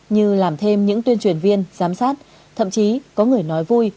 như làm thêm những tuyên truyền viên giám sát thậm chí có người nói vui